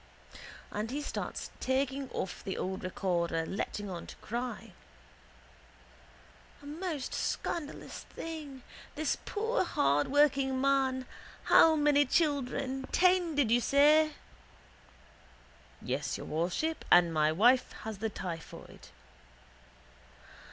And he starts taking off the old recorder letting on to cry: —A most scandalous thing! This poor hardworking man! How many children? Ten, did you say? —Yes, your worship. And my wife has the typhoid.